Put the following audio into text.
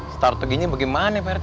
strateginya bagaimana pak rt